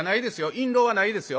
印籠はないですよ。